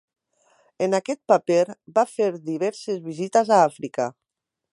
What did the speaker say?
En aquest paper, va fer diverses visites a Àfrica.